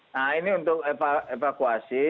nah ini untuk evakuasi